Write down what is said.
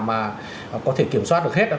mà có thể kiểm soát được hết